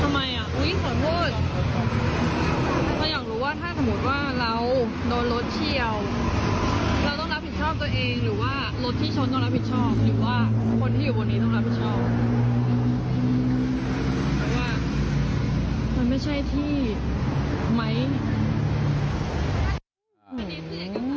มันไม่ใช่ที่ไหม